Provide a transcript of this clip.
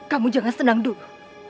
kamu jangan senang dulu